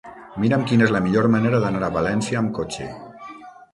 Mira'm quina és la millor manera d'anar a València amb cotxe.